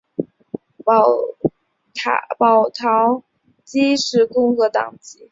保陶基是共和党籍。